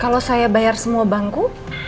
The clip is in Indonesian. kalau saya bayar semua bangku